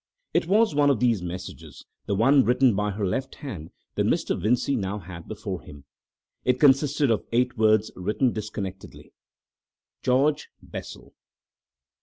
It was one of these messages, the one written by her left hand, that Mr. Vincey now had before him. It consisted of eight words written disconnectedly: "George Bessel...